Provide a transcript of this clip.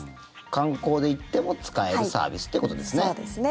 観光で行っても使えるサービスということですね。